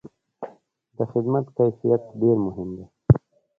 د خدمت کیفیت ډېر مهم دی.